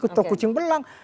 atau kucing belang